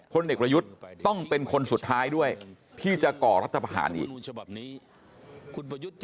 เด็กประยุทธ์ต้องเป็นคนสุดท้ายด้วยที่จะก่อรัฐประหารอีก